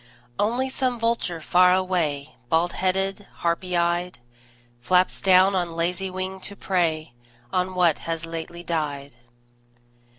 Only some vulture far away, Bald headed, harpy eyed, Flaps down on lazy wing to prey On what has lately died.